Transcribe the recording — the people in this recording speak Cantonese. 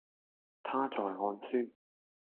他在看書